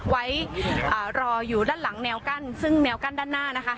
ไว้รออยู่ด้านหลังแนวกั้นซึ่งแนวกั้นด้านหน้านะคะ